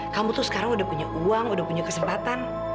kamu tuh sekarang udah punya uang udah punya kesempatan